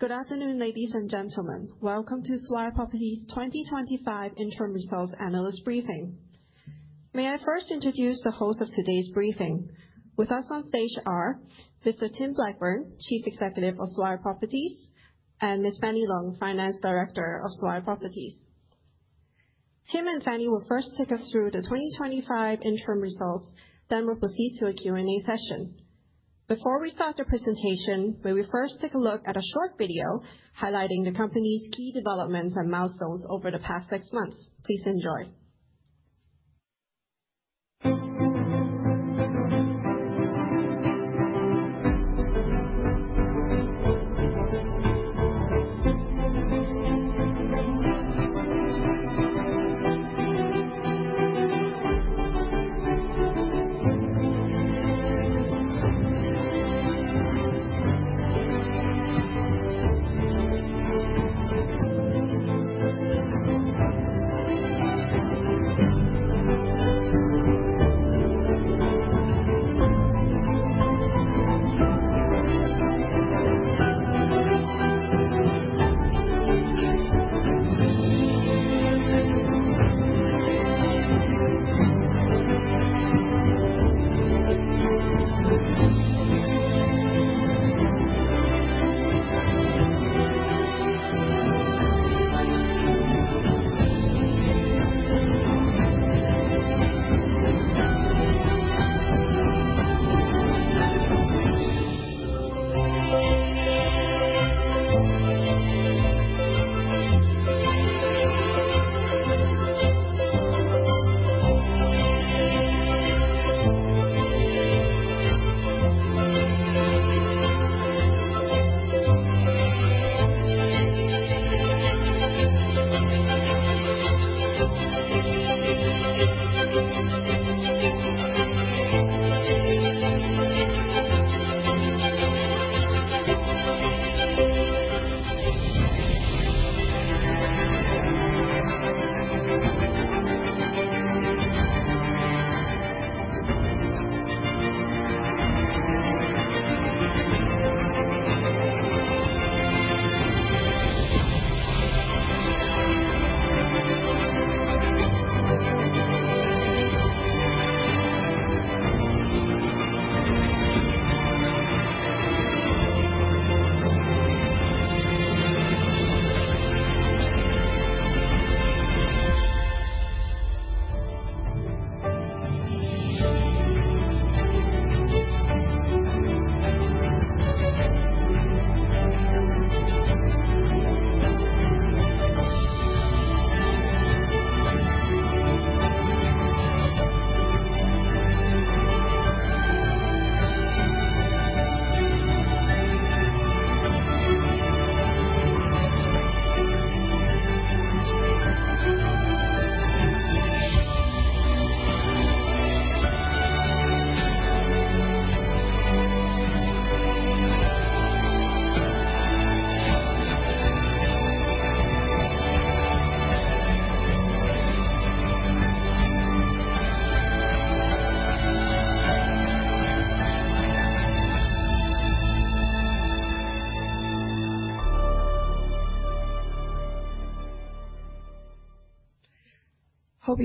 Good afternoon, ladies and gentlemen. Welcome to Swire Properties 2025 interim results analyst briefing. May I first introduce the host of today's briefing. With us on stage are Mr. Tim Blackburn, Chief Executive of Swire Properties, and Ms. Fanny Lung, Finance Director of Swire Properties. Tim and Fanny will first take us through the 2025 interim results, then we'll proceed to a Q&A session. Before we start the presentation, may we first take a look at a short video highlighting the company's key developments and milestones over the past six months. Please enjoy. Hope you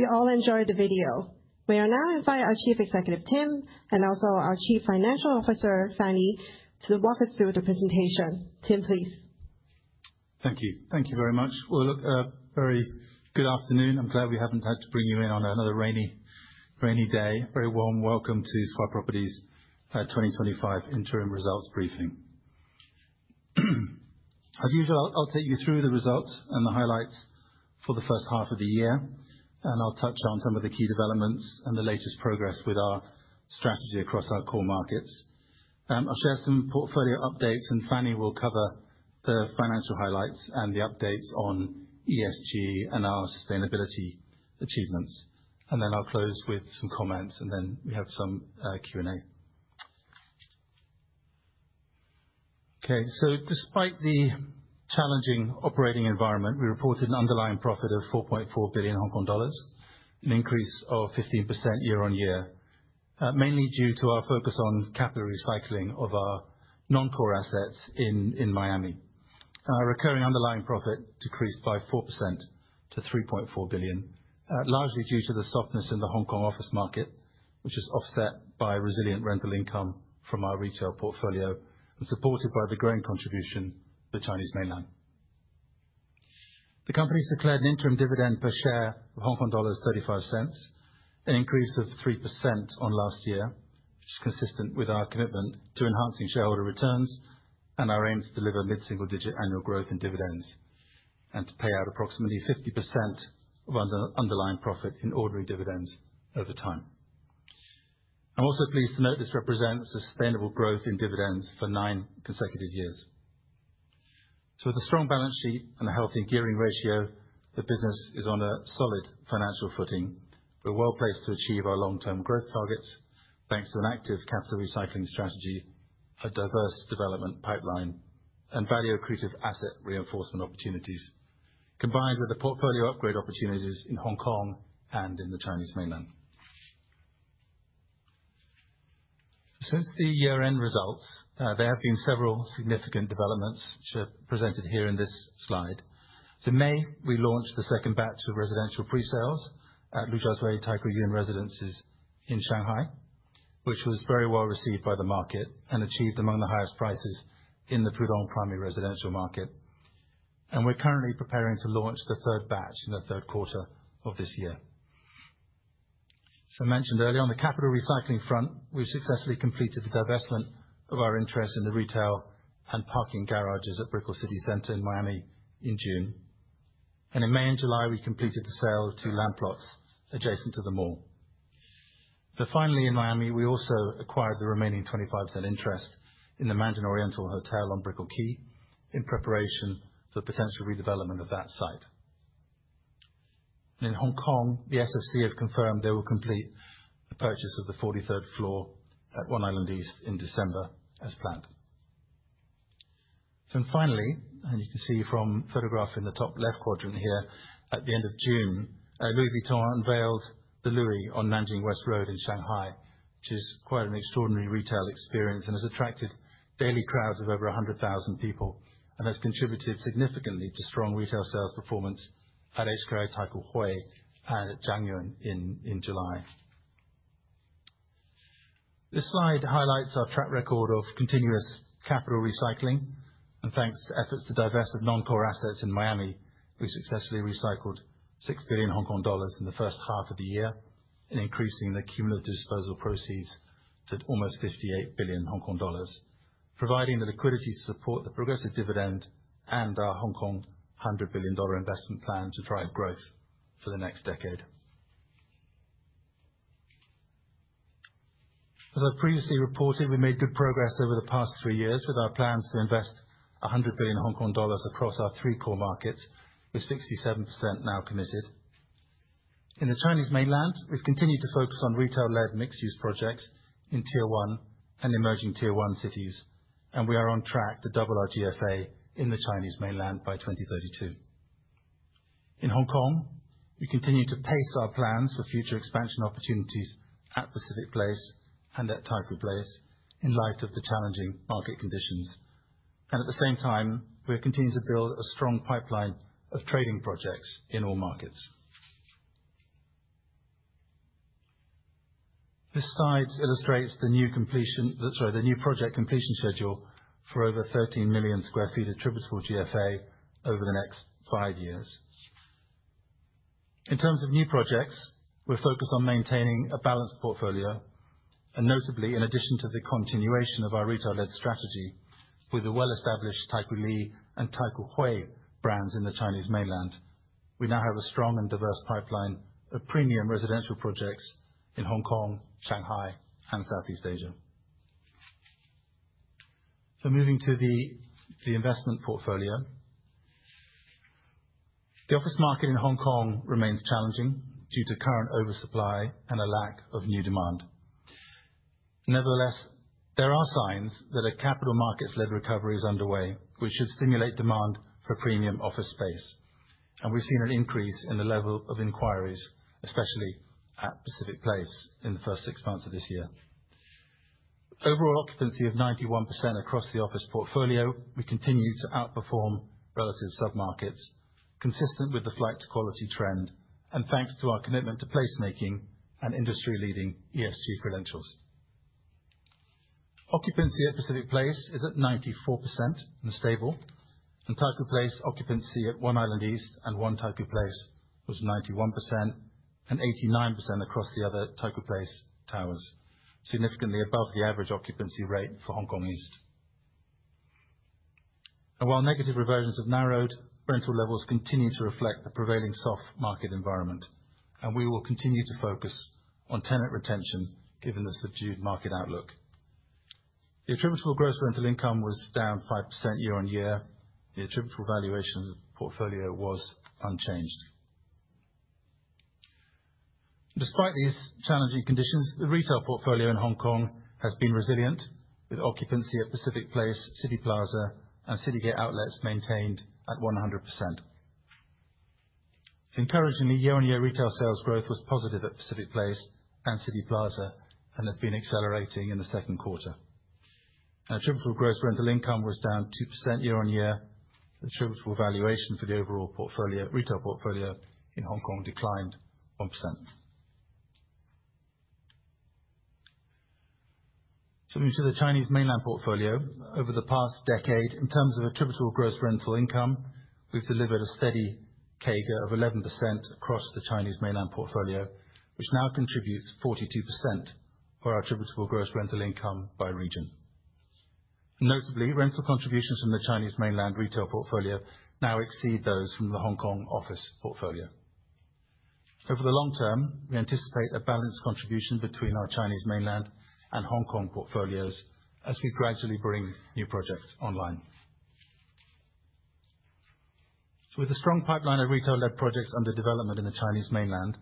all enjoyed the video. We will now invite our Chief Executive, Tim, and also our Chief Financial Officer, Fanny, to walk us through the presentation. Tim, please. Thank you. Thank you very much. Well, look, very good afternoon. I'm glad we haven't had to bring you in on another rainy, rainy day. Very warm welcome to Swire Properties 2025 interim results briefing. As usual, I'll take you through the results and the highlights for the first half of the year, and I'll touch on some of the key developments and the latest progress with our strategy across our core markets. I'll share some portfolio updates, and Fanny will cover the financial highlights and the updates on ESG and our sustainability achievements. And then I'll close with some comments, and then we have some Q&A. Okay, so despite the challenging operating environment, we reported an underlying profit of 4.4 billion Hong Kong dollars, an increase of 15% year-on-year. Mainly due to our focus on capital recycling of our non-core assets in Miami. Our recurring underlying profit decreased by 4% to 3.4 billion, largely due to the softness in the Hong Kong office market, which is offset by resilient rental income from our retail portfolio and supported by the growing contribution of the Chinese mainland. The company's declared an interim dividend per share of 0.35, an increase of 3% on last year, which is consistent with our commitment to enhancing shareholder returns and our aim to deliver mid-single digit annual growth in dividends, and to pay out approximately 50% of underlying profit in ordinary dividends over time. I'm also pleased to note this represents sustainable growth in dividends for 9 consecutive years. With a strong balance sheet and a healthy gearing ratio, the business is on a solid financial footing. We're well-placed to achieve our long-term growth targets, thanks to an active capital recycling strategy, a diverse development pipeline, and value-accretive asset reinforcement opportunities, combined with the portfolio upgrade opportunities in Hong Kong and in the Chinese mainland... Since the year-end results, there have been several significant developments, which are presented here in this slide. In May, we launched the second batch of residential pre-sales at Lujiazui Taikoo Yuan Residences in Shanghai, which was very well received by the market and achieved among the highest prices in the Pudong primary residential market. We're currently preparing to launch the third batch in the third quarter of this year. As I mentioned earlier, on the capital recycling front, we successfully completed the divestment of our interest in the retail and parking garages at Brickell City Centre in Miami in June. In May and July, we completed the sale of 2 land plots adjacent to the mall. Finally, in Miami, we also acquired the remaining 25% interest in the Mandarin Oriental Hotel on Brickell Key in preparation for potential redevelopment of that site. In Hong Kong, the SFC have confirmed they will complete the purchase of the 43rd floor at One Island East in December as planned. Finally, as you can see from photograph in the top left quadrant here, at the end of June, Louis Vuitton unveiled The Louis on Nanjing West Road in Shanghai, which is quite an extraordinary retail experience and has attracted daily crowds of over 100,000 people, and has contributed significantly to strong retail sales performance at HKRI Taikoo Hui and at Jing'an in July. This slide highlights our track record of continuous capital recycling, and thanks to efforts to divest of non-core assets in Miami, we successfully recycled 6 billion Hong Kong dollars in the first half of the year, and increasing the cumulative disposal proceeds to almost 58 billion Hong Kong dollars, providing the liquidity to support the progressive dividend and our Hong Kong 100 billion Hong Kong dollars investment plan to drive growth for the next decade. As I previously reported, we made good progress over the past three years with our plans to invest 100 billion Hong Kong dollars across our three core markets, with 67% now committed. In the Chinese mainland, we've continued to focus on retail-led mixed-use projects in Tier One and emerging Tier One cities, and we are on track to double our GFA in the Chinese mainland by 2032. In Hong Kong, we continue to pace our plans for future expansion opportunities at Pacific Place and at Taikoo Place in light of the challenging market conditions. And at the same time, we are continuing to build a strong pipeline of trading projects in all markets. This slide illustrates the new completion, sorry, the new project completion schedule for over 13 million sq ft attributable GFA over the next five years. In terms of new projects, we're focused on maintaining a balanced portfolio, and notably, in addition to the continuation of our retail-led strategy with the well-established Taikoo Li and Taikoo Hui brands in the Chinese mainland, we now have a strong and diverse pipeline of premium residential projects in Hong Kong, Shanghai and Southeast Asia. So moving to the investment portfolio. The office market in Hong Kong remains challenging due to current oversupply and a lack of new demand. Nevertheless, there are signs that a capital markets-led recovery is underway, which should stimulate demand for premium office space. We've seen an increase in the level of inquiries, especially at Pacific Place, in the first six months of this year. Overall occupancy of 91% across the office portfolio, we continue to outperform relative submarkets, consistent with the flight to quality trend, and thanks to our commitment to Placemaking and industry-leading ESG credentials. Occupancy at Pacific Place is at 94% and stable, and Taikoo Place occupancy at One Island East and One Taikoo Place was 91% and 89% across the other Taikoo Place towers, significantly above the average occupancy rate for Hong Kong East. While negative reversions have narrowed, rental levels continue to reflect the prevailing soft market environment, and we will continue to focus on tenant retention given the subdued market outlook. The attributable gross rental income was down 5% year-on-year. The attributable valuation portfolio was unchanged. Despite these challenging conditions, the retail portfolio in Hong Kong has been resilient, with occupancy at Pacific Place, Cityplaza, and Citygate Outlets maintained at 100%. Encouragingly, year-on-year retail sales growth was positive at Pacific Place and Cityplaza and have been accelerating in the second quarter. Attributable gross rental income was down 2% year-on-year. The attributable valuation for the overall portfolio, retail portfolio in Hong Kong declined 1%. Moving to the Chinese mainland portfolio. Over the past decade, in terms of attributable gross rental income, we've delivered a steady CAGR of 11% across the Chinese mainland portfolio, which now contributes 42% of our attributable gross rental income by region. Notably, rental contributions from the Chinese mainland retail portfolio now exceed those from the Hong Kong office portfolio. Over the long term, we anticipate a balanced contribution between our Chinese mainland and Hong Kong portfolios as we gradually bring new projects online. With a strong pipeline of retail-led projects under development in the Chinese mainland,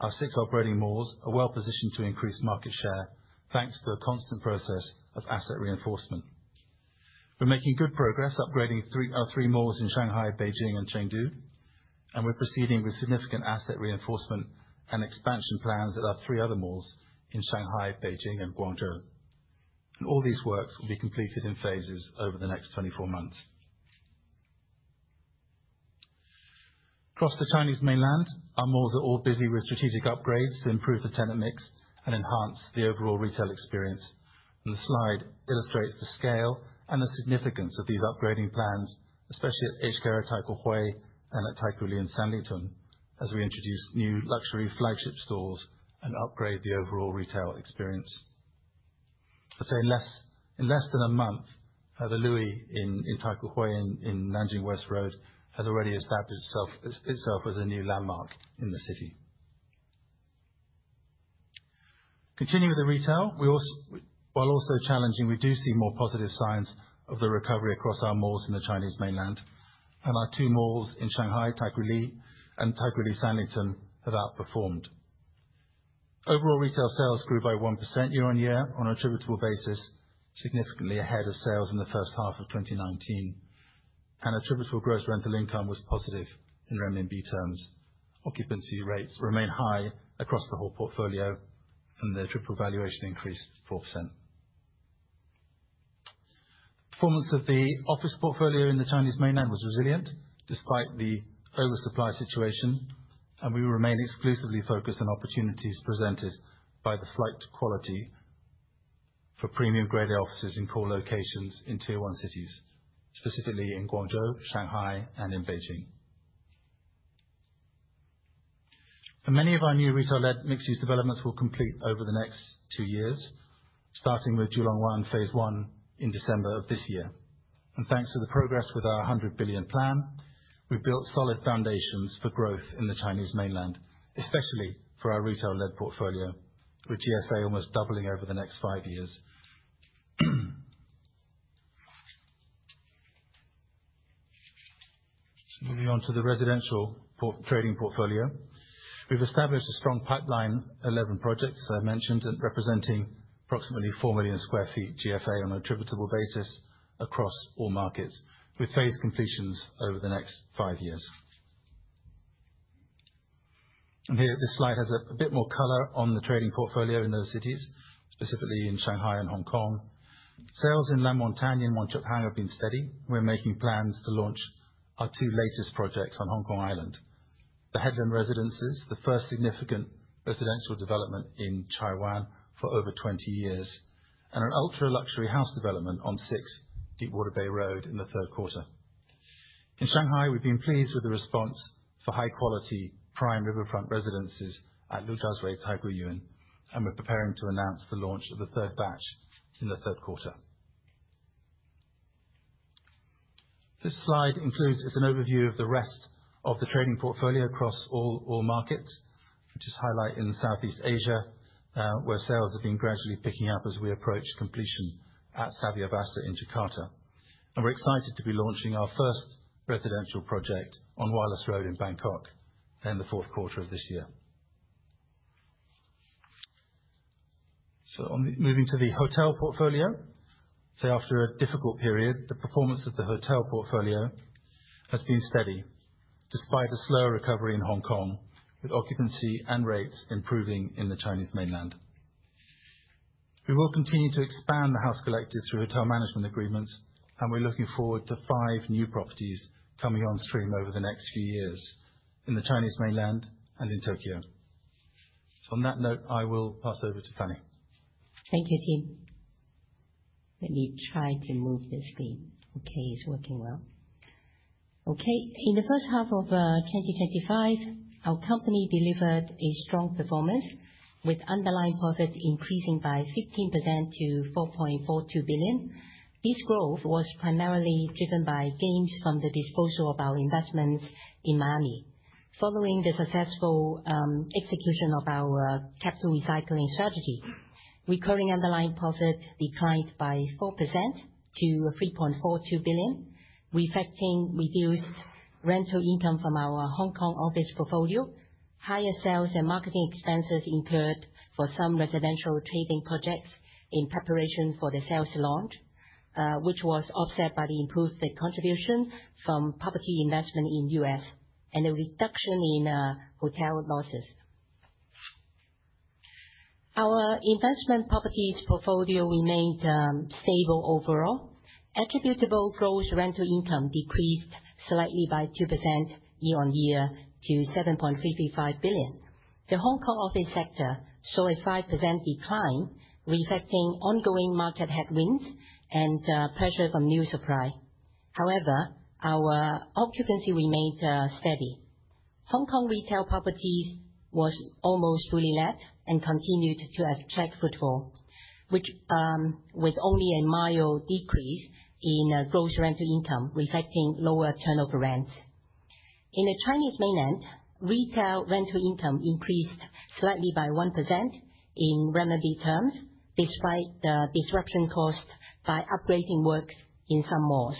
our six operating malls are well positioned to increase market share, thanks to a constant process of asset reinforcement. We're making good progress upgrading three, our three malls in Shanghai, Beijing and Chengdu, and we're proceeding with significant asset reinforcement and expansion plans at our three other malls in Shanghai, Beijing and Guangzhou. All these works will be completed in phases over the next 24 months. Across the Chinese mainland, our malls are all busy with strategic upgrades to improve the tenant mix and enhance the overall retail experience, and the slide illustrates the scale and the significance of these upgrading plans, especially at HKRI Taikoo Hui and at Taikoo Li Sanlitun, as we introduce new luxury flagship stores and upgrade the overall retail experience. I'd say in less than a month, the Louis in Taikoo Hui in Nanjing West Road has already established itself as a new landmark in the city. Continuing with the retail, we also while also challenging, we do see more positive signs of the recovery across our malls in the Chinese mainland, and our two malls in Shanghai, Taikoo Li and Taikoo Li Sanlitun, have outperformed. Overall, retail sales grew by 1% year-on-year on attributable basis, significantly ahead of sales in the first half of 2019. Attributable gross rental income was positive in RMB terms. Occupancy rates remain high across the whole portfolio, and the triple valuation increased 4%. Performance of the office portfolio in the Chinese mainland was resilient despite the oversupply situation, and we remain exclusively focused on opportunities presented by the slight quality for premium grade offices in core locations in tier one cities, specifically in Guangzhou, Shanghai, and in Beijing. Many of our new retail-led mixed-use developments will complete over the next 2 years, starting with Julong Wan phase 1 in December of this year. And thanks to the progress with our 100 billion plan, we've built solid foundations for growth in the Chinese mainland, especially for our retail-led portfolio, with GSA almost doubling over the next five years. Moving on to the residential property-trading portfolio. We've established a strong pipeline, 11 projects, as I mentioned, and representing approximately 4 million sq ft GSA on an attributable basis across all markets, with phased completions over the next five years. And here, this slide has a bit more color on the trading portfolio in those cities, specifically in Shanghai and Hong Kong. Sales in La Montagne and Mon Repos have been steady. We're making plans to launch our two latest projects on Hong Kong Island. The Headland Residences, the first significant residential development in Chai Wan for over 20 years, and an ultra-luxury house development on 6 Deepwater Bay Road in the third quarter. In Shanghai, we've been pleased with the response for high-quality, prime riverfront residences at Lujiazui Taikoo Yun, and we're preparing to announce the launch of the third batch in the third quarter. This slide includes, as an overview of the rest of the trading portfolio across all, all markets, which is highlighted in Southeast Asia, where sales have been gradually picking up as we approach completion at Savyavasa in Jakarta. And we're excited to be launching our first residential project on Wireless Road in Bangkok in the fourth quarter of this year. So, moving to the hotel portfolio. So after a difficult period, the performance of the hotel portfolio has been steady, despite a slower recovery in Hong Kong, with occupancy and rates improving in the Chinese mainland. We will continue to expand The House Collective through hotel management agreements, and we're looking forward to five new properties coming on stream over the next few years in the Chinese mainland and in Tokyo. So on that note, I will pass over to Fanny. Thank you, Tim. Let me try to move the screen. Okay, it's working well. Okay. In the first half of 2025, our company delivered a strong performance, with underlying profits increasing by 15% to 4.42 billion. This growth was primarily driven by gains from the disposal of our investments in Miami. Following the successful execution of our capital recycling strategy, recurring underlying profits declined by 4% to 3.42 billion, reflecting reduced rental income from our Hong Kong office portfolio. Higher sales and marketing expenses incurred for some residential trading projects in preparation for the sales launch, which was offset by the improved state contribution from property investment in U.S., and a reduction in hotel losses. Our investment properties portfolio remained stable overall. Attributable gross rental income decreased slightly by 2% year-on-year to 7.335 billion. The Hong Kong office sector saw a 5% decline, reflecting ongoing market headwinds and pressure from new supply. However, our occupancy remained steady. Hong Kong retail properties was almost fully let and continued to attract footfall, which was only a mild decrease in gross rental income, reflecting lower turnover rents. In the Chinese mainland, retail rental income increased slightly by 1% in RMB terms, despite the disruption caused by upgrading works in some malls.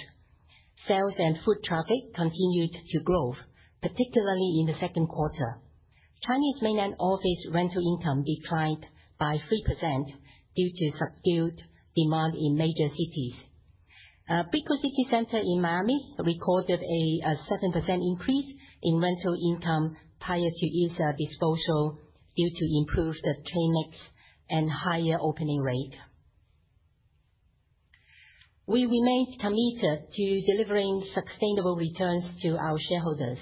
Sales and foot traffic continued to grow, particularly in the second quarter. Chinese mainland office rental income declined by 3% due to subdued demand in major cities. Brickell City Centre in Miami recorded a 7% increase in rental income prior to its disposal, due to improved tenant mix and higher occupancy rate. We remain committed to delivering sustainable returns to our shareholders.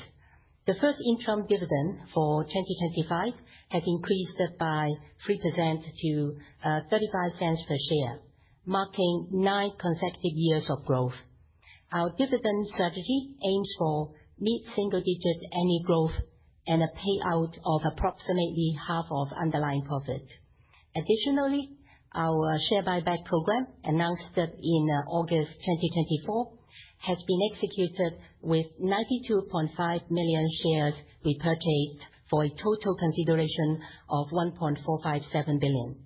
The first interim dividend for 2025 has increased by 3% to HK$0.35 per share, marking nine consecutive years of growth. Our dividend strategy aims for mid-single digits annual growth and a payout of approximately half of underlying profit. Additionally, our share buyback program, announced in August 2024, has been executed with 92.5 million shares repurchased for a total consideration of HK$1.457 billion,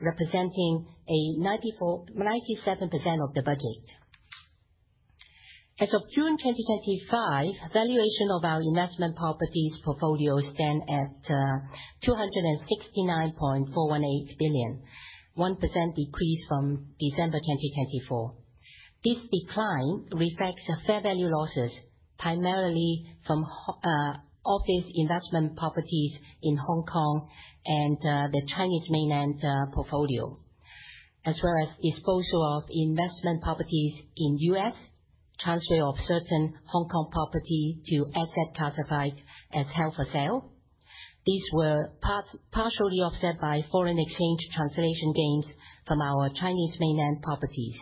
representing a 94.97% of the budget. As of June 2025, valuation of our investment properties portfolio stands at 269.418 billion, 1% decrease from December 2024. This decline reflects fair value losses, primarily from office investment properties in Hong Kong and the Chinese mainland portfolio, as well as disposal of investment properties in U.S., transfer of certain Hong Kong property to asset classified as held for sale. These were partially offset by foreign exchange translation gains from our Chinese mainland properties.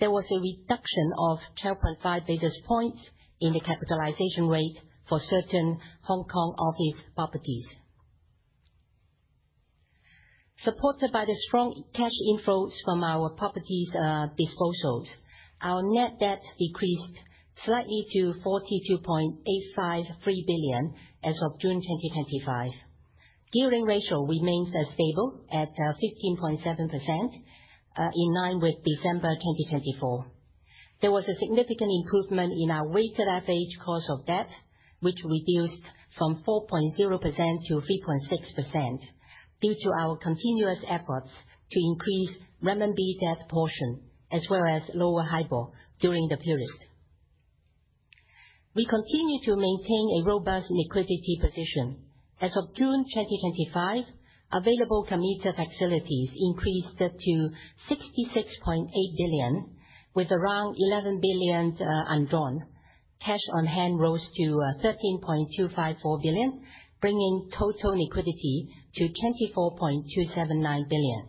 There was a reduction of 12.5 basis points in the capitalization rate for certain Hong Kong office properties. Supported by the strong cash inflows from our properties disposals, our net debt decreased slightly to 42.853 billion as of June 2025. Gearing ratio remains stable at 15.7%, in line with December 2024. There was a significant improvement in our weighted average cost of debt, which reduced from 4.0% to 3.6%, due to our continuous efforts to increase renminbi debt portion, as well as lower HIBOR during the period. We continue to maintain a robust liquidity position. As of June 2025, available committed facilities increased up to 66.8 billion, with around 11 billion undrawn. Cash on hand rose to 13.254 billion, bringing total liquidity to 24.279 billion.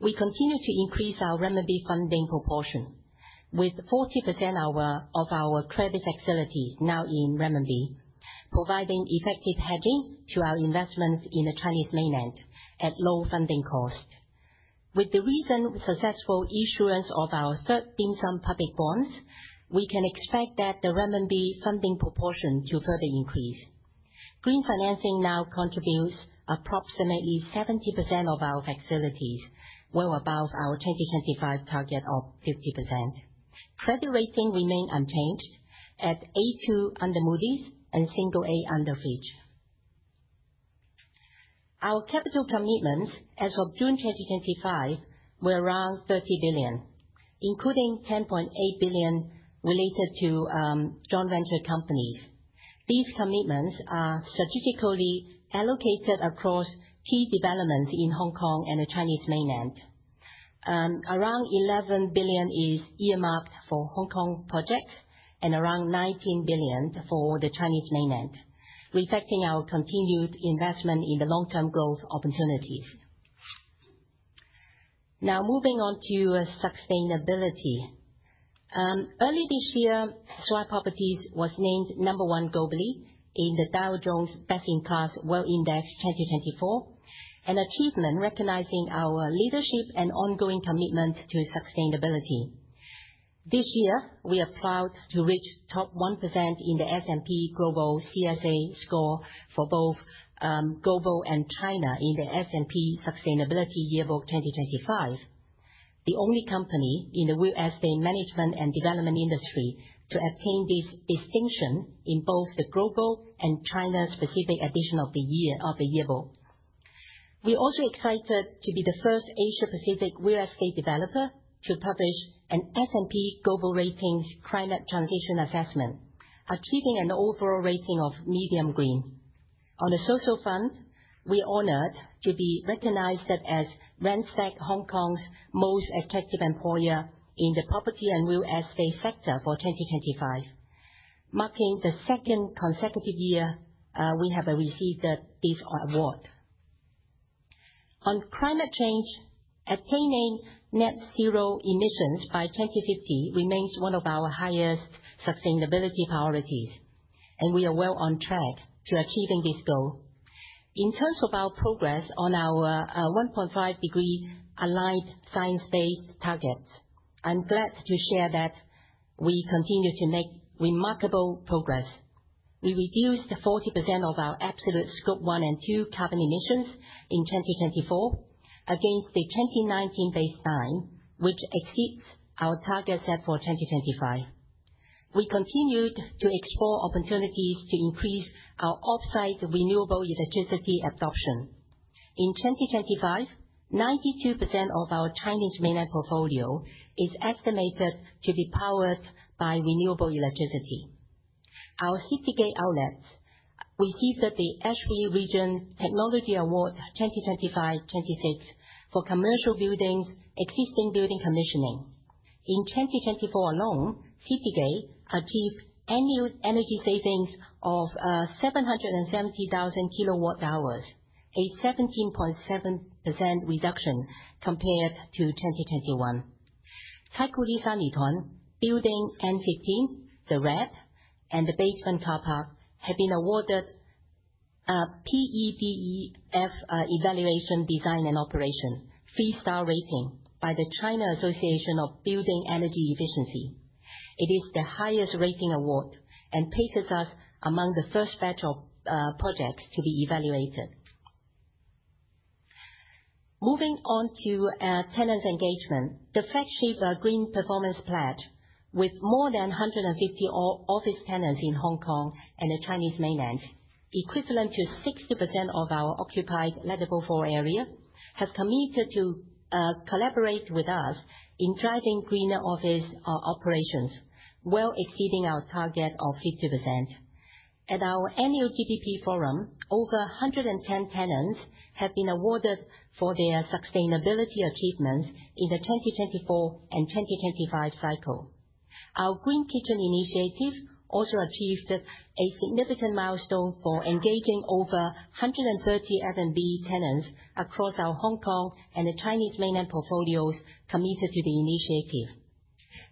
We continue to increase our renminbi funding proportion, with 40% of our credit facilities now in renminbi, providing effective hedging to our investments in the Chinese mainland at low funding costs. With the recent successful issuance of our third Dim Sum public bonds, we can expect that the renminbi funding proportion to further increase. Green financing now contributes approximately 70% of our facilities, well above our 2025 target of 50%. Credit rating remain unchanged at A2 under Moody's and single A under Fitch. Our capital commitments as of June 2025 were around 30 billion, including 10.8 billion related to, joint venture companies. These commitments are strategically allocated across key developments in Hong Kong and the Chinese mainland. Around eleven billion is earmarked for Hong Kong projects and around nineteen billion for the Chinese mainland, reflecting our continued investment in the long-term growth opportunities. Now, moving on to sustainability. Early this year, Swire Properties was named number one globally in the Dow Jones Best in Class World Index 2024, an achievement recognizing our leadership and ongoing commitment to sustainability. This year, we are proud to reach top 1% in the S&P Global CSA Score for both global and China in the S&P Sustainability Yearbook 2025, the only company in the real estate management and development industry to attain this distinction in both the global and China-specific edition of the year, of the yearbook. We're also excited to be the first Asia Pacific real estate developer to publish an S&P Global Ratings Climate Transition Assessment, achieving an overall rating of Medium Green. On the social front, we're honored to be recognized as Randstad Hong Kong's Most Attractive Employer in the Property and Real Estate sector for 2025, marking the second consecutive year we have received this award. On climate change, attaining Net Zero emissions by 2050 remains one of our highest sustainability priorities, and we are well on track to achieving this goal. In terms of our progress on our 1.5 degree aligned Science-Based Targets, I'm glad to share that we continue to make remarkable progress. We reduced 40% of our absolute Scope 1 and 2 carbon emissions in 2024 against the 2019 baseline, which exceeds our target set for 2025. We continued to explore opportunities to increase our off-site renewable electricity absorption. In 2025, 92% of our Chinese mainland portfolio is estimated to be powered by renewable electricity. Our Citygate Outlets received at the ASHRAE Region Technology Awards 2025-2026 for commercial buildings, existing building commissioning. In 2024 alone, Citygate achieved annual energy savings of 770,000 kWh, a 17.7% reduction compared to 2021. Taikoo Li Sanlitun, Building N15, The Wrap, and the basement car park have been awarded PEDEF Evaluation, Design, and Operation 3-star rating by the China Association of Building Energy Efficiency. It is the highest rating award and places us among the first batch of projects to be evaluated. Moving on to tenant engagement. The flagship Green Performance Pledge, with more than 150 office tenants in Hong Kong and the Chinese mainland, equivalent to 60% of our occupied lettable floor area, has committed to collaborate with us in driving greener office operations, well exceeding our target of 50%. At our annual TPP forum, over 110 tenants have been awarded for their sustainability achievements in the 2024 and 2025 cycle. Our Green Kitchen initiative also achieved a significant milestone for engaging over 130 F&B tenants across our Hong Kong and the Chinese mainland portfolios committed to the initiative.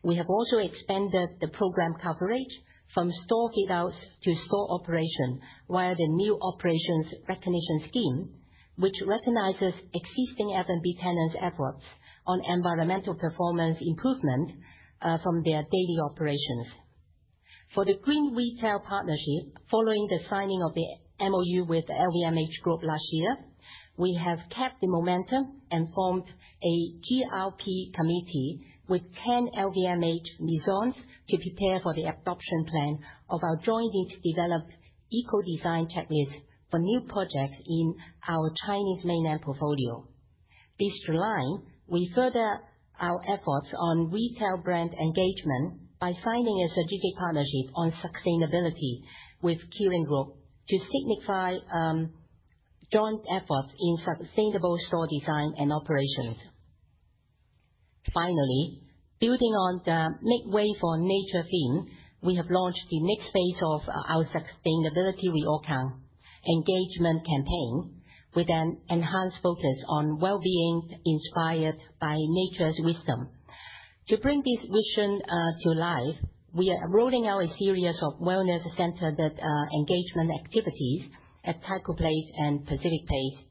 We have also expanded the program coverage from store fit-outs to store operation via the new operations recognition scheme, which recognizes existing F&B tenants' efforts on environmental performance improvement from their daily operations. For the Green Retail Partnership, following the signing of the MOU with the LVMH group last year, we have kept the momentum and formed a GRP committee with 10 LVMH Maisons to prepare for the adoption plan of our jointly developed eco design techniques for new projects in our Chinese mainland portfolio. This July, we further our efforts on retail brand engagement by signing a strategic partnership on sustainability with Kering Group to signify joint efforts in sustainable store design and operations. Finally, building on the Make Way for Nature theme, we have launched the next phase of our Sustainability We All Count engagement campaign, with an enhanced focus on well-being inspired by nature's wisdom. To bring this vision to life, we are rolling out a series of wellness center that engagement activities at Taikoo Place and Pacific Place,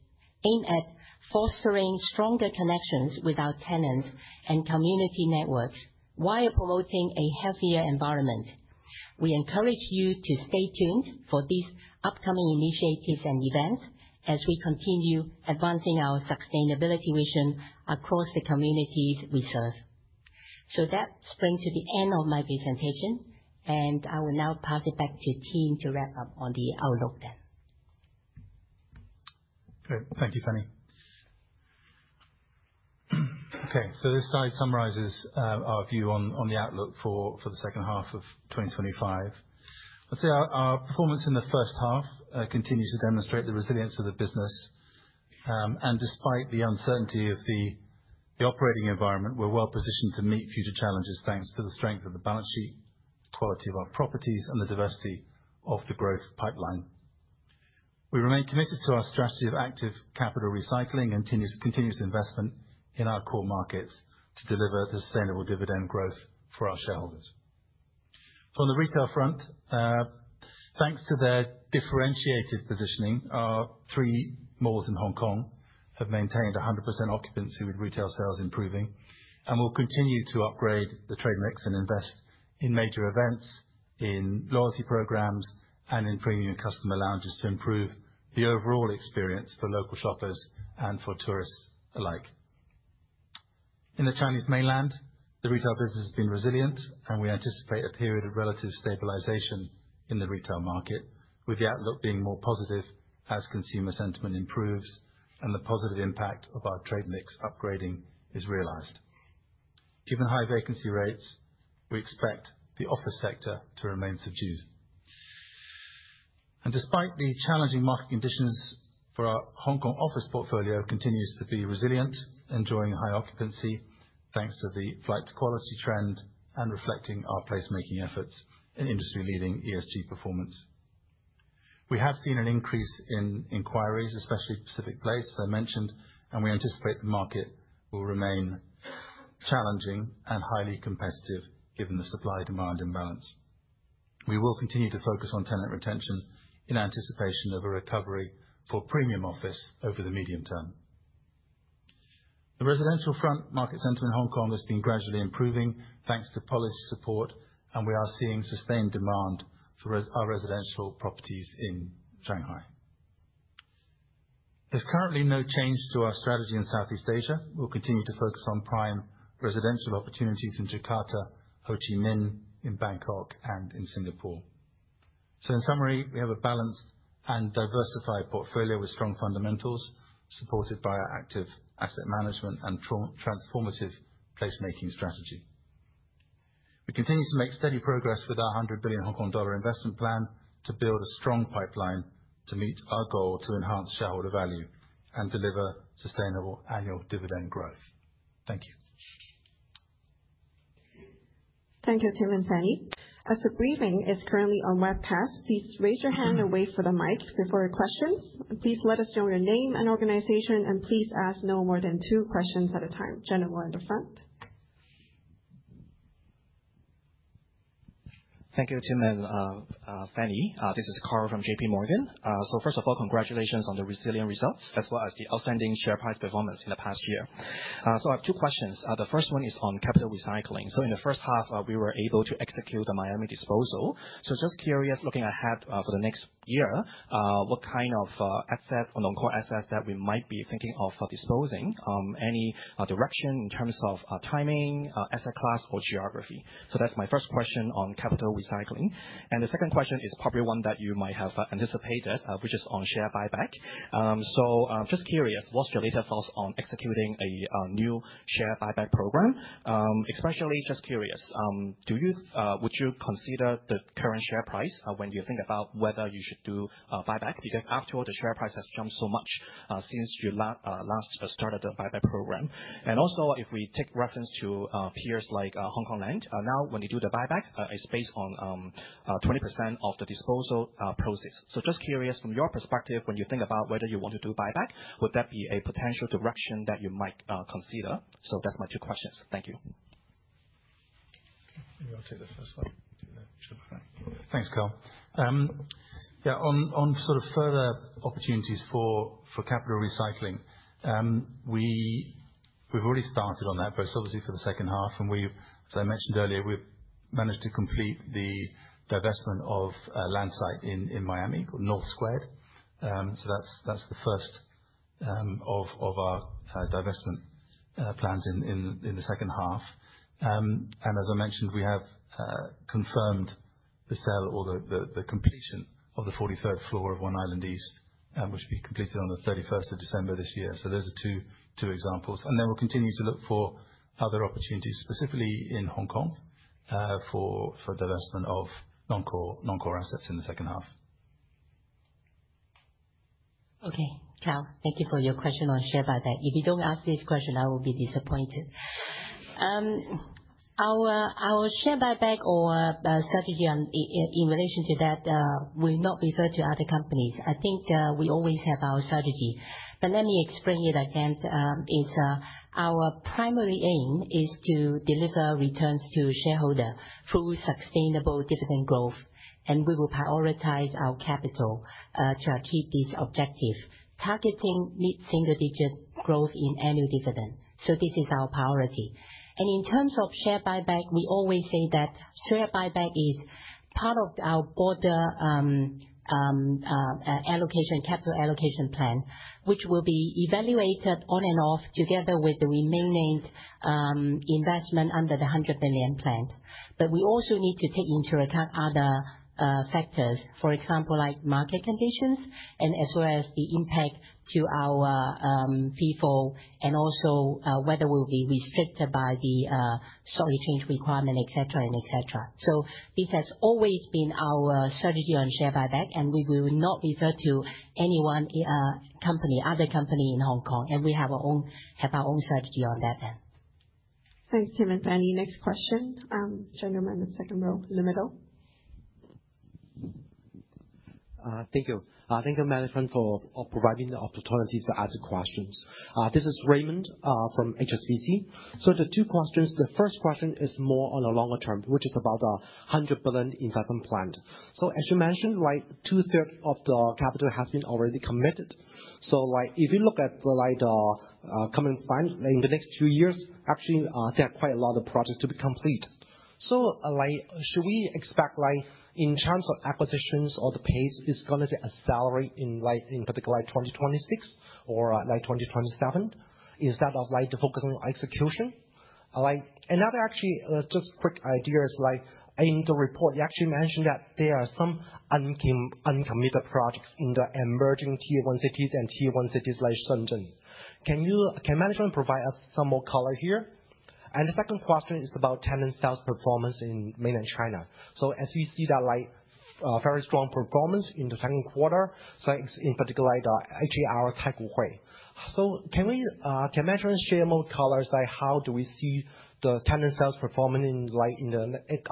aimed at fostering stronger connections with our tenants and community networks while promoting a healthier environment. We encourage you to stay tuned for these upcoming initiatives and events as we continue advancing our sustainability mission across the communities we serve. That brings to the end of my presentation, and I will now pass it back to Tim to wrap up on the outlook then. Great. Thank you, Fanny. Okay, so this slide summarizes our view on the outlook for the second half of 2025. Let's see. Our performance in the first half continues to demonstrate the resilience of the business. And despite the uncertainty of the operating environment, we're well positioned to meet future challenges, thanks to the strength of the balance sheet, quality of our properties, and the diversity of the growth pipeline. We remain committed to our strategy of active capital recycling and continuous investment in our core markets to deliver sustainable dividend growth for our shareholders. On the retail front, thanks to their differentiated positioning, our three malls in Hong Kong have maintained 100% occupancy, with retail sales improving, and we'll continue to upgrade the trade mix and invest in major events, in loyalty programs, and in premium customer lounges to improve the overall experience for local shoppers and for tourists alike. In the Chinese mainland, the retail business has been resilient, and we anticipate a period of relative stabilization in the retail market, with the outlook being more positive as consumer sentiment improves and the positive impact of our trade mix upgrading is realized. Given high vacancy rates, we expect the office sector to remain subdued. Despite the challenging market conditions for our Hong Kong office portfolio continues to be resilient, enjoying high occupancy thanks to the flight to quality trend and reflecting our placemaking efforts and industry-leading ESG performance. We have seen an increase in inquiries, especially Pacific Place, as I mentioned, and we anticipate the market will remain challenging and highly competitive given the supply-demand imbalance. We will continue to focus on tenant retention in anticipation of a recovery for premium office over the medium term. The residential front market center in Hong Kong has been gradually improving, thanks to policy support, and we are seeing sustained demand for our residential properties in Shanghai. There's currently no change to our strategy in Southeast Asia. We'll continue to focus on prime residential opportunities in Jakarta, Ho Chi Minh, in Bangkok, and in Singapore. So in summary, we have a balanced and diversified portfolio with strong fundamentals, supported by our active asset management and transformative placemaking strategy. We continue to make steady progress with our 100 billion Hong Kong dollar investment plan to build a strong pipeline to meet our goal to enhance shareholder value and deliver sustainable annual dividend growth. Thank you. Thank you, Tim and Fanny. As the briefing is currently on webcast, please raise your hand and wait for the mic for your questions. Please let us know your name and organization, and please ask no more than two questions at a time. Gentlemen in the front? Thank you, Tim and, Fanny. This is Carl from JP Morgan. So first of all, congratulations on the resilient results, as well as the outstanding share price performance in the past year. So I have two questions. The first one is on capital recycling. So in the first half, we were able to execute the Miami disposal. So just curious, looking ahead, for the next year, what kind of asset, non-core assets that we might be thinking of for disposing? Any direction in terms of timing, asset class or geography? So that's my first question on capital recycling. And the second question is probably one that you might have anticipated, which is on share buyback. So just curious, what's your latest thoughts on executing a new share buyback program? Especially just curious, would you consider the current share price when you think about whether you should do a buyback? Because after all, the share price has jumped so much since you last started the buyback program. And also, if we take reference to peers like Hong Kong Land, now when you do the buyback, it's based on 20% of the disposal proceeds. So just curious, from your perspective, when you think about whether you want to do buyback, would that be a potential direction that you might consider? So that's my two questions. Thank you. Maybe I'll take the first one. Sure. Thanks, Carl. Yeah, on sort of further opportunities for capital recycling, we've already started on that process, obviously for the second half, and as I mentioned earlier, we've managed to complete the divestment of land site in Miami, North Square. So that's the first of our divestment plans in the second half. And as I mentioned, we have confirmed the sale or the completion of the 43rd floor of One Island East, which will be completed on the 31st of December this year. So those are two examples, and then we'll continue to look for other opportunities, specifically in Hong Kong, for divestment of non-core assets in the second half. Okay, Carl, thank you for your question on share buyback. If you don't ask this question, I will be disappointed. Our share buyback or our strategy on, in relation to that, will not refer to other companies. I think we always have our strategy. But let me explain it again. It's our primary aim is to deliver returns to shareholder through sustainable dividend growth, and we will prioritize our capital to achieve this objective, targeting mid-single digit growth in annual dividend. So this is our priority. And in terms of share buyback, we always say that share buyback is part of our broader capital allocation plan, which will be evaluated on and off together with the remaining investment under the HK$100 billion plan. We also need to take into account other factors, for example, like market conditions as well as the impact to our people, and also whether we'll be restricted by the solid change requirement, et cetera and et cetera. This has always been our strategy on share buyback, and we will not refer to any company, other company in Hong Kong, and we have our own strategy on that end. Thanks, Tim and Fanny. Next question, gentleman in the second row in the middle. Thank you. Thank you, management, for providing the opportunity to ask the questions. This is Raymond from HSBC. So the two questions, the first question is more on the longer term, which is about the HK$100 billion investment plan. So as you mentioned, like, two-thirds of the capital has been already committed. So like, if you look at, like, coming plan, in the next few years, actually, there are quite a lot of projects to be complete. So like, should we expect, like, in terms of acquisitions or the pace, is gonna get accelerated in like, in particular, like, 2026 or like 2027? Is that of like the focus on execution? Like, another actually, just quick idea is like, in the report, you actually mentioned that there are some uncommitted projects in the emerging tier one cities and tier one cities like Shenzhen. Can management provide us some more color here? And the second question is about tenant sales performance in mainland China. So as you see that, like, very strong performance in the second quarter, so in particular, like the HKRI Taikoo Hui. So can we, can management share more colors, like how do we see the tenant sales performance in, like in the,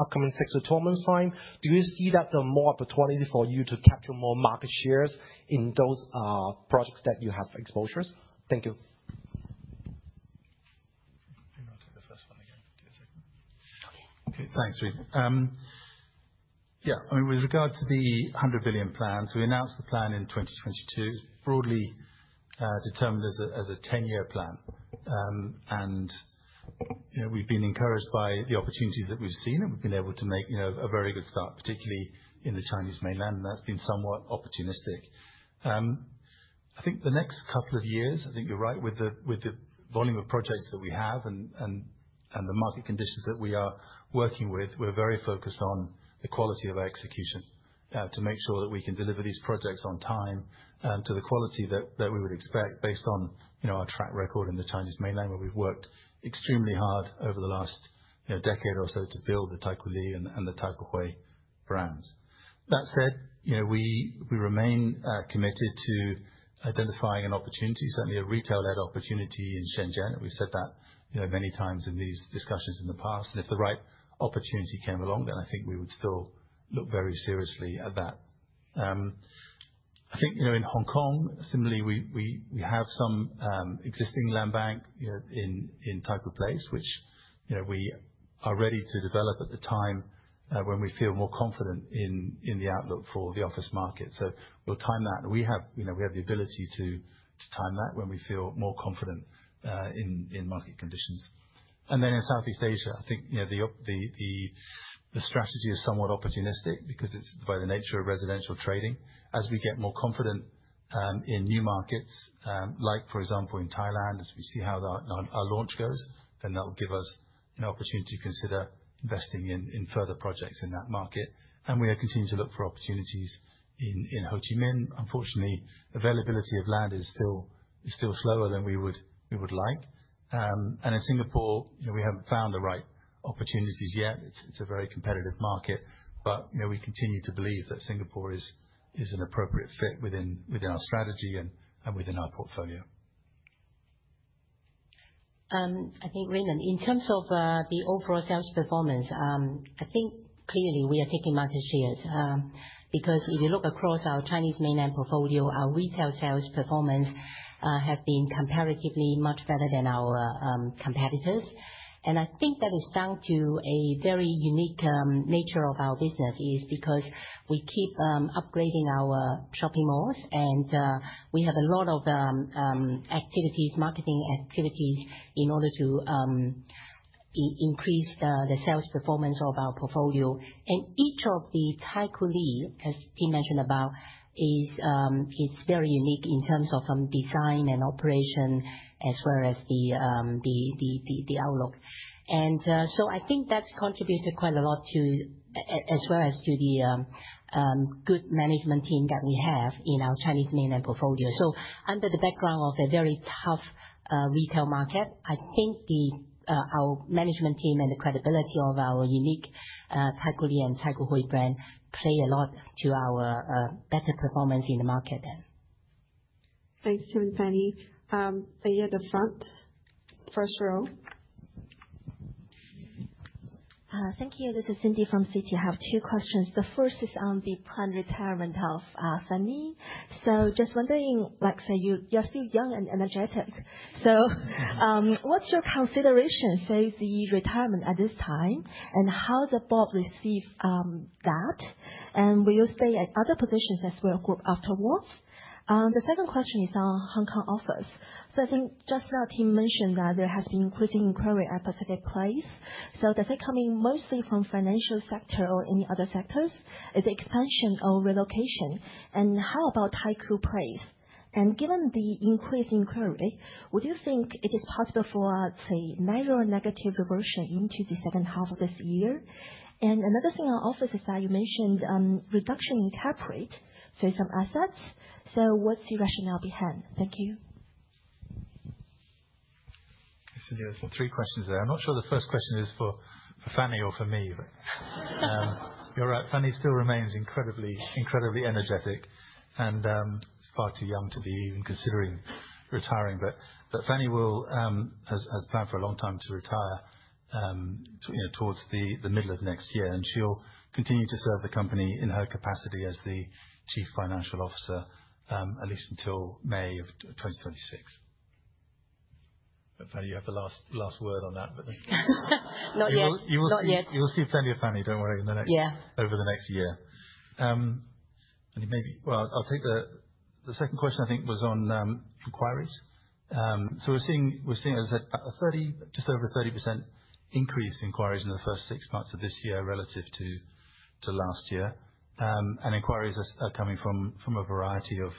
upcoming six to twelve months time? Do you see that there are more opportunities for you to capture more market shares in those, projects that you have exposures? Thank you. ... Thanks, Ray. Yeah, I mean, with regard to the HK$100 billion plan, so we announced the plan in 2022, broadly, determined as a, as a ten-year plan. And, you know, we've been encouraged by the opportunities that we've seen, and we've been able to make, you know, a very good start, particularly in the Chinese mainland, and that's been somewhat opportunistic. I think the next couple of years, I think you're right, with the volume of projects that we have and the market conditions that we are working with, we're very focused on the quality of our execution to make sure that we can deliver these projects on time to the quality that we would expect based on, you know, our track record in the Chinese mainland, where we've worked extremely hard over the last, you know, decade or so to build the Taikoo Li and the Taikoo Hui brands. That said, you know, we remain committed to identifying an opportunity, certainly a retail-led opportunity in Shenzhen. We've said that, you know, many times in these discussions in the past, and if the right opportunity came along, then I think we would still look very seriously at that. I think, you know, in Hong Kong, similarly, we have some existing land bank, you know, in type of place, which, you know, we are ready to develop at the time when we feel more confident in the outlook for the office market. So we'll time that. We have, you know, we have the ability to time that when we feel more confident in market conditions. And then in Southeast Asia, I think, you know, the strategy is somewhat opportunistic because it's by the nature of residential trading. As we get more confident in new markets, like for example, in Thailand, as we see how our launch goes, then that will give us an opportunity to consider investing in further projects in that market. We are continuing to look for opportunities in Ho Chi Minh. Unfortunately, availability of land is still slower than we would like. And in Singapore, you know, we haven't found the right opportunities yet. It's a very competitive market, but, you know, we continue to believe that Singapore is an appropriate fit within our strategy and within our portfolio. I think, Raymond, in terms of the overall sales performance, I think clearly we are taking market shares, because if you look across our Chinese mainland portfolio, our retail sales performance have been comparatively much better than our competitors. And I think that is down to a very unique nature of our business because we keep upgrading our shopping malls, and we have a lot of activities, marketing activities, in order to increase the sales performance of our portfolio. And each of the Taikoo Li, as he mentioned about, is very unique in terms of design and operation, as well as the outlook. And so I think that's contributed quite a lot to... As well as to the good management team that we have in our Chinese mainland portfolio. So under the background of a very tough retail market, I think our management team and the credibility of our unique Taikoo Li and Taikoo Hui brand play a lot to our better performance in the market then. Thanks, Tim and Fanny. At the front, first row. Thank you. This is Cindy from Citi. I have two questions. The first is on the planned retirement of Fanny. So just wondering, like, say, you, you're still young and energetic, so, what's your consideration, say, the retirement at this time? And how the board received that, and will you stay at other positions as well afterwards? The second question is on Hong Kong office. So I think just now, Tim mentioned that there has been increasing inquiry at Pacific Place. So does it coming mostly from financial sector or any other sectors? Is it expansion or relocation? And how about Taikoo Place? And given the increased inquiry, would you think it is possible for, say, minor or negative reversion into the second half of this year? And another thing I noticed is that you mentioned reduction in cap rate, say, some assets. What's the rationale behind? Thank you. So there are some three questions there. I'm not sure the first question is for Fanny or for me. You're right, Fanny still remains incredibly, incredibly energetic and far too young to be even considering retiring. But Fanny has planned for a long time to retire, you know, towards the middle of next year, and she'll continue to serve the company in her capacity as the Chief Financial Officer at least until May 2026. Fanny, you have the last word on that. Not yet. You will- Not yet. You will see plenty of Fanny, don't worry, in the next- Yeah... Over the next year. Well, I'll take the second question, I think, was on inquiries. So we're seeing just over a 30% increase in inquiries in the first six months of this year relative to last year. And inquiries are coming from a variety of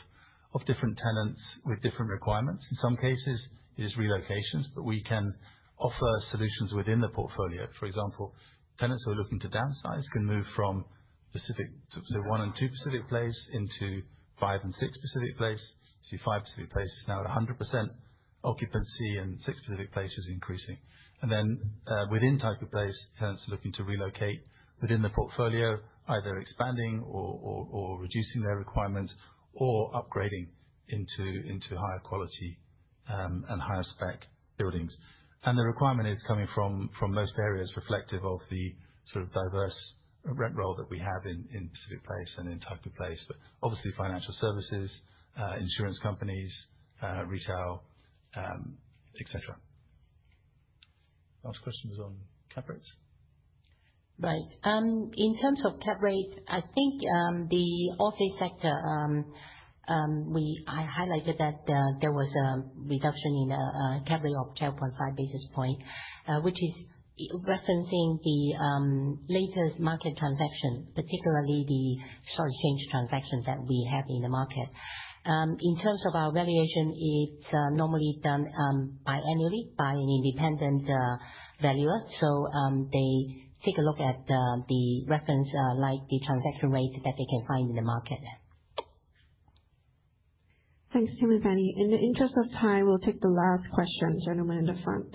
different tenants with different requirements. In some cases, it is relocations, but we can offer solutions within the portfolio. For example, tenants who are looking to downsize can move from Pacific, so 1 and 2 Pacific Place into 5 and 6 Pacific Place. See, 5 Pacific Place is now at 100% occupancy and 6 Pacific Place is increasing. And then, within Taikoo Place, tenants are looking to relocate within the portfolio, either expanding or reducing their requirements or upgrading into higher quality and higher spec buildings. And the requirement is coming from most areas reflective of the sort of diverse rent roll that we have in Pacific Place and in type of place. But obviously, financial services, insurance companies, retail, et cetera. Last questions on cap rates? Right. In terms of cap rates, I think, the office sector, I highlighted that there was a reduction in capital of 12.5 basis points, which is referencing the latest market transaction, particularly the stock exchange transactions that we have in the market. In terms of our valuation, it's normally done biannually by an independent valuer. So, they take a look at the reference like the transaction rate that they can find in the market. Thanks, Tim and Fanny. In the interest of time, we'll take the last question, gentleman in the front.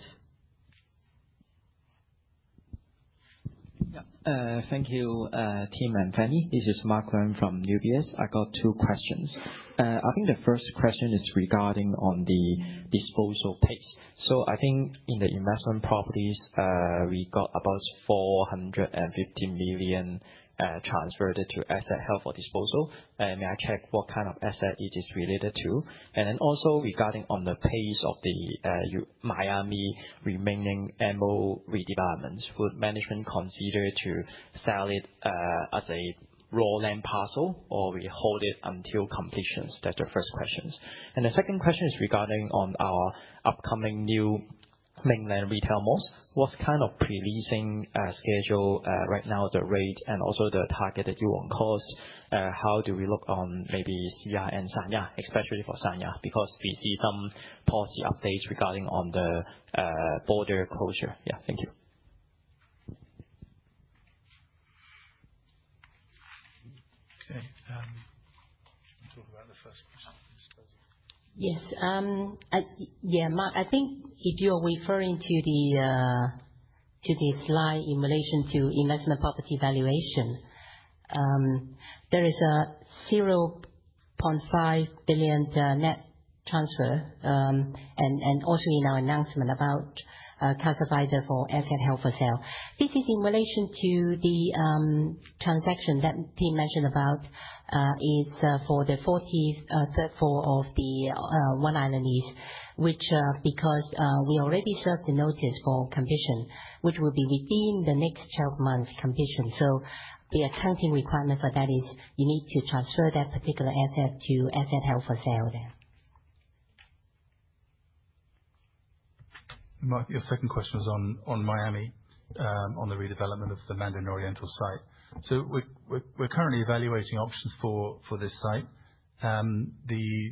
Yeah. Thank you, Tim and Fanny. This is Mark Leung from Nomura. I got two questions. I think the first question is regarding on the disposal pace. So I think in the investment properties, we got about HK$450 million transferred to asset held for disposal. And may I check what kind of asset it is related to? And then also regarding on the pace of the Miami remaining MO redevelopments, would management consider to sell it as a raw land parcel, or we hold it until completion? That's the first questions. And the second question is regarding on our upcoming new mainland retail malls. What kind of pre-leasing schedule right now, the rate and also the target that you want cost? How do we look on maybe Sanya and Sanya, especially for Sanya, because we see some policy updates regarding on the border closure? Yeah, thank you. Okay, talk about the first question. Yes, yeah, Mark, I think if you're referring to the slide in relation to investment property valuation, there is a HK$0.5 billion net transfer, and also in our announcement about classified as assets held for sale. This is in relation to the transaction that Tim mentioned about the 43rd floor of One Island East, which, because we already served the notice for completion, which will be within the next 12 months completion. So the accounting requirement for that is you need to transfer that particular asset to assets held for sale there. Mark, your second question was on Miami, on the redevelopment of the Mandarin Oriental site. So we're currently evaluating options for this site. The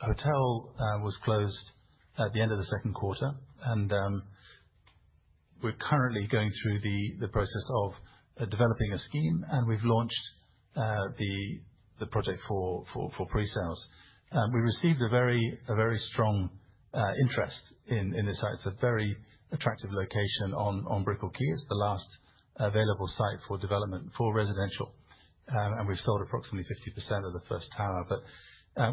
hotel was closed at the end of the second quarter, and we're currently going through the process of developing a scheme, and we've launched the project for pre-sales. We received a very strong interest in the site. It's a very attractive location on Brickell Key. It's the last available site for development for residential, and we've sold approximately 50% of the first tower. But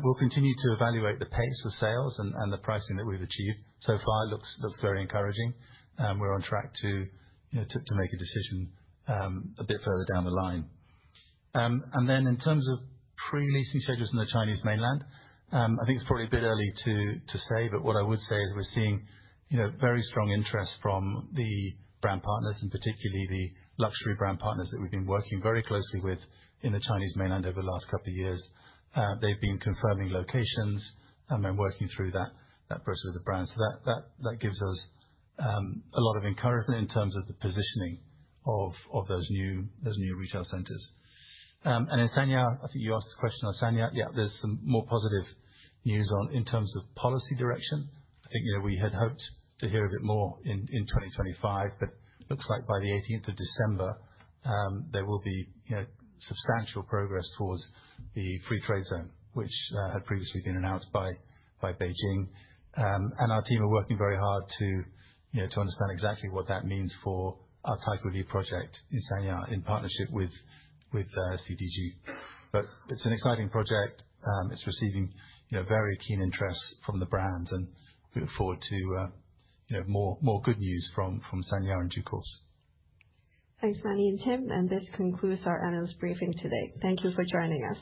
we'll continue to evaluate the pace of sales and the pricing that we've achieved. So far, it looks very encouraging, and we're on track to, you know, to make a decision a bit further down the line. And then in terms of pre-leasing schedules in the Chinese mainland, I think it's probably a bit early to say, but what I would say is we're seeing, you know, very strong interest from the brand partners, and particularly the luxury brand partners that we've been working very closely with in the Chinese mainland over the last couple of years. They've been confirming locations and then working through that process with the brands. So that gives us a lot of encouragement in terms of the positioning of those new retail centers. And in Sanya, I think you asked a question on Sanya. Yeah, there's some more positive news on, in terms of policy direction. I think, you know, we had hoped to hear a bit more in 2025, but looks like by the eighteenth of December, there will be, you know, substantial progress towards the free trade zone, which had previously been announced by Beijing. And our team are working very hard to, you know, to understand exactly what that means for our Taikoo Li project in Sanya, in partnership with CDG. But it's an exciting project. It's receiving, you know, very keen interest from the brands, and we look forward to, you know, more good news from Sanya in due course. Thanks, Fanny and Tim, and this concludes our analyst briefing today. Thank you for joining us.